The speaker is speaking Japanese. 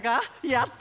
やった！